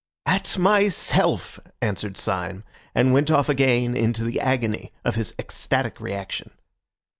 "At myself," answered Syme, and went off again into the agony of his ecstatic reaction.